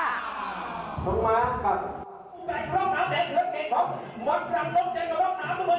ต้องกลับค่ะ